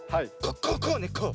こうこうねこう。